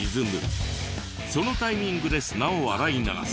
そのタイミングで砂を洗い流す。